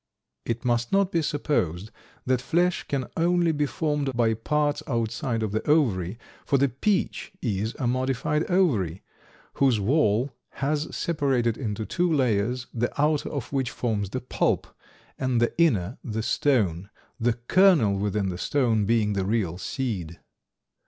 It must not be supposed that flesh can only be formed by parts outside of the ovary, for the peach is a modified ovary, whose wall has separated into two layers, the outer of which forms the pulp, and the inner the "stone," the kernel within the stone being the real seed.